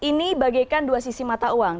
ini bagaikan dua sisi manajemen talenta